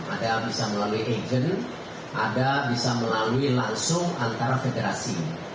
ada yang bisa melalui agent ada bisa melalui langsung antara federasi